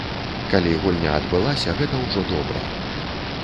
Калі гульня адбылася, гэта ўжо добра.